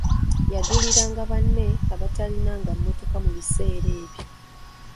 Yaduuliranga banne abatalinanga mmotoka mu biseera ebyo.